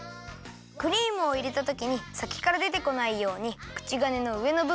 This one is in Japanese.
クリームをいれたときにさきからでてこないようにくちがねのうえのぶぶんをねじって。